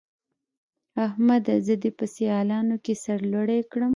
احمده! زه دې په سيالانو کې سر لوړی کړم.